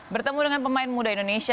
bertemu dengan pemain muda indonesia